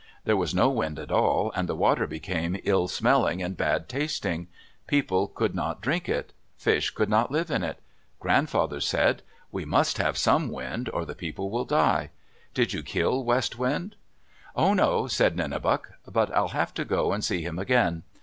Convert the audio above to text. There was no wind at all and the water became ill smelling, and bad tasting. People could not drink it. Fish could not live in it. Grandfather said, "We must have some wind or the people will die. Did you kill West Wind?" "Oh, no," said Nenebuc. "But I'll have to go and see him again."